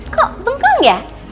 kok bengong ya